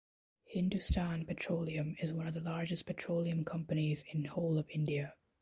Hindustan Petroleum is one of the largest petroleum companies in whole of India.